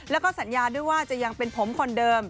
แล้วก็สัญญาด้วยว่าจะยังเป็นผมคนเดิม